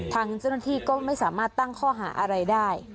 ทางเจ้าหน้าที่ก็ไม่สามารถตั้งข้อหาอะไรได้